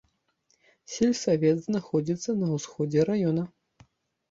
Сельсавет знаходзіцца на ўсходзе раёна.